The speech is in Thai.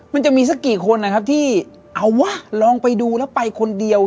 มันจะมีสักกี่คนนะครับที่เอาวะลองไปดูแล้วไปคนเดียว